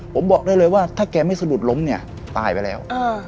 ผมบอกได้เลยว่าถ้าแกไม่สะดุดล้มเนี่ยตายไปแล้ว